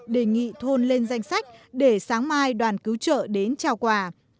đề nghị thôn lên danh sách để sáng mai đoàn cứu trợ đến trao quà